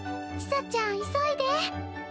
千紗ちゃん急いで。